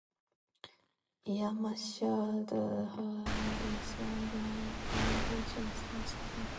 Air Marshal Hugh Dowding laid the foundation stone.